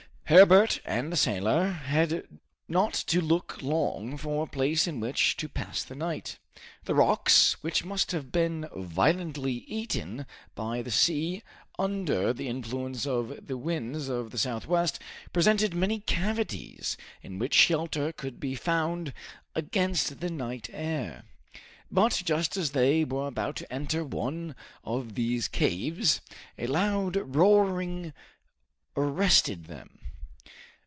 Herbert and the sailor had not to look long for a place in which to pass the night. The rocks, which must have been violently beaten by the sea under the influence of the winds of the southwest, presented many cavities in which shelter could be found against the night air. But just as they were about to enter one of these caves a loud roaring arrested them.